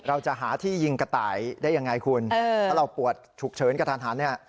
เราจะหาที่ยิงกระไตได้ยังไงคุณถ้าเราปวดถูกเฉินกระทาน